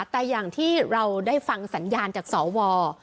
แต่อย่างที่เราได้ฟังสัญญาณจากสว